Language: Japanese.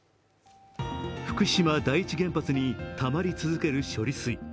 福島第一原発にたまり続ける処理水。